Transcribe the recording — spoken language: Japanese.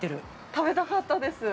◆食べたかったです。